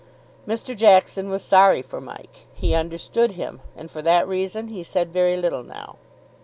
Mr. Jackson was sorry for Mike. He understood him, and for that reason he said very little now.